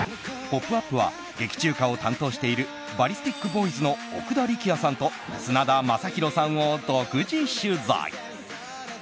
「ポップＵＰ！」は劇中歌を担当しているＢＡＬＬＩＳＴＩＫＢＯＹＳの奥田力也さんと砂田将宏さんを独自取材。